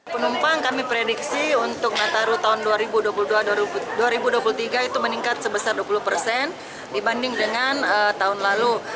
penumpang kami prediksi untuk nataru tahun dua ribu dua puluh dua dua ribu dua puluh tiga itu meningkat sebesar dua puluh persen dibanding dengan tahun lalu